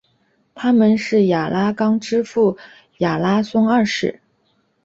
他们是亚拉冈之父亚拉松二世。